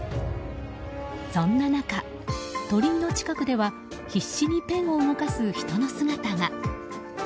そんな中、鳥居の近くでは必死にペンを動かす人の姿が。